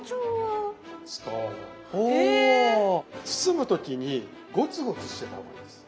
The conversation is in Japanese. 包む時にゴツゴツしてた方がいいです。